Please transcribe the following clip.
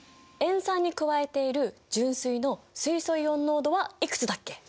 塩酸に加えている純水の水素イオン濃度はいくつだっけ？